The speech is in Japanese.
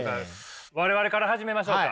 我々から始めましょうか。